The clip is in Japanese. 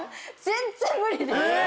全然無理でした？